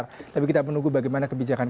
lebih besar tapi kita menunggu bagaimana kebijakan